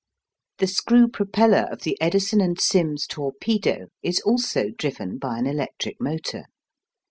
The screw propeller of the Edison and Sim's torpedo is also driven by an electric motor.